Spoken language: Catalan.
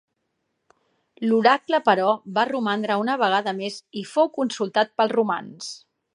L'oracle però va romandre una vegada més i fou consultat pels romans.